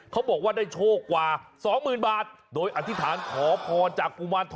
เขาบอกว่าได้โชคกว่า๒๐๐๐๐บาท